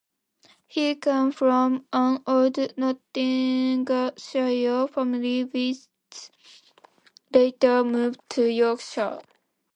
He came from an old Nottinghamshire family which later moved to Yorkshire.